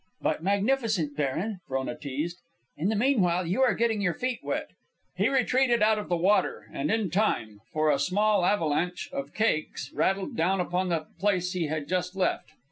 "But magnificent, baron," Frona teased. "In the meanwhile you are getting your feet wet." He retreated out of the water, and in time, for a small avalanche of cakes rattled down upon the place he had just left.